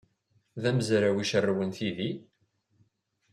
D amezraw icerrwen tidi?